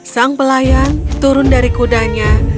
sang pelayan turun dari kudanya